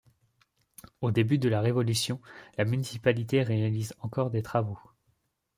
Au début de la Révolution la municipalité réalise encore des travaux.